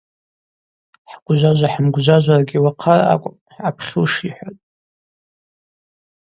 Хӏгвжважва-хӏымгвжважваргьи уахъа араъа акӏвпӏ хӏъапхьуш, – йхӏватӏ.